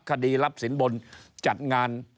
คดีรับสินบนจัดงาน